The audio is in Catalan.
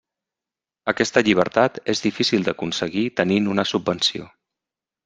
Aquesta llibertat és difícil d'aconseguir tenint una subvenció.